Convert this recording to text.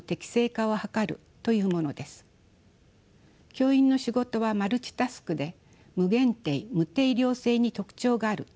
教員の仕事はマルチタスクで無限定・無定量性に特徴があるといわれています。